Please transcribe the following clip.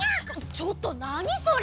ちょっとなにそれ！